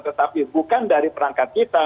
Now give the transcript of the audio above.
tetapi bukan dari perangkat kita